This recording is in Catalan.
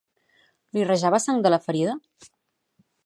Li rajava sang de la ferida?